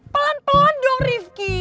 pelan pelan dong rifqi